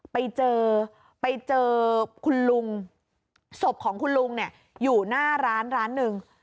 ไปเจอไปเจอคุณลุงศพของคุณลุงเนี่ยอยู่หน้าร้านร้านหนึ่ง